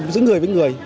giữa người với người